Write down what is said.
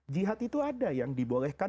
jihad itu ada yang dibolehkan